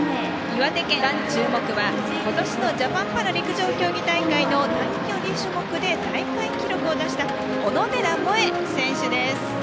岩手県の注目は、今年のジャパンパラ陸上競技大会の短距離種目で大会記録を出した小野寺萌恵選手です。